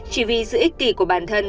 chỉ vì sự ích kỷ của bản thân